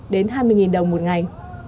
đến hai mươi đồng một ngày